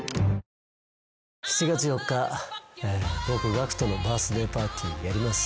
ＧＡＣＫＴのバースデーパーティーやります。